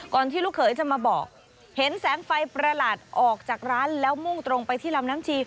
ที่ลูกเขยจะมาบอกเห็นแสงไฟประหลาดออกจากร้านแล้วมุ่งตรงไปที่ลำน้ำชี